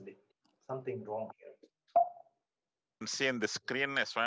jika kita pergi ke selanjutnya